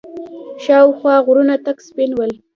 شاوخوا غرونه تک سپين ول.